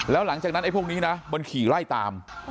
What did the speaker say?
แล้วหลังจากนั้นไอ้พวกนี้นะมันขี่ไล่ตาม